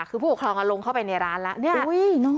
คือผู้หกครองอ่ะลงเข้าไปในร้านแล้วเนี้ยโอ้ยน้อง